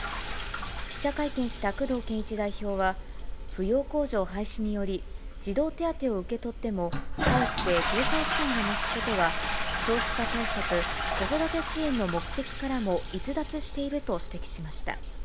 記者会見した工藤健一代表は、扶養控除廃止により、児童手当を受け取ってもかえって経済負担が増すことは、少子化対策、子育て支援の目的からも逸脱していると指摘しました。